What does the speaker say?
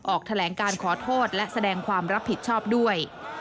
ออกแถลงการขอโทษและแสดงความรับผิดชอบด้วย